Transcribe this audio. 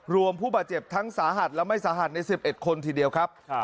ผู้บาดเจ็บทั้งสาหัสและไม่สาหัสใน๑๑คนทีเดียวครับ